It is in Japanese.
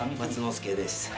介です。